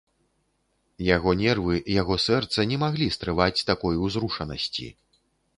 Яго нервы, яго сэрца не маглі стрываць такой узрушанасці.